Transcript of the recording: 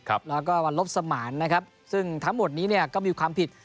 แล้วก็วันลบสมานนะครับซึ่งทั้งหมดนี้เนี่ยก็มีความผิด